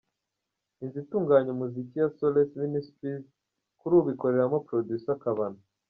Inzu itunganya umuziki ya Solace Ministries, kuri ubu ikoreramo Producer Kabano.